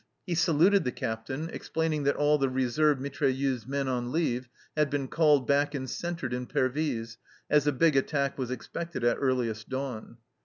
He saluted the Captain, explaining that all the reserve mitrailleuse men on leave had been called back and centred in Pervyse, as a big attack was expected at earliest dawn.